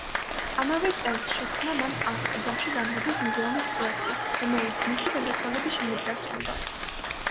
ამავე წელს შექმნა მან ამსტერდამში ვან გოგის მუზეუმის პროექტი, რომელიც მისი გარდაცვალების შემდეგ დასრულდა.